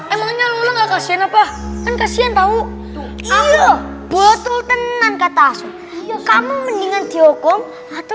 emangnya lu enggak kasihan apa kan kasihan tau iya betul tenang katas kamu mendingan dihukum atau